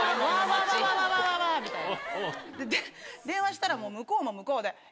電話したら向こうも向こうで。